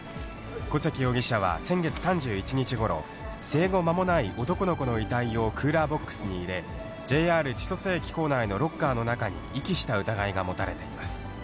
小関容疑者は先月３１日ごろ、生後間もない男の子の遺体をクーラーボックスに入れ、ＪＲ千歳駅構内のロッカーの中に遺棄した疑いが持たれています。